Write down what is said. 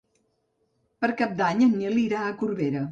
Per Cap d'Any en Nil irà a Corbera.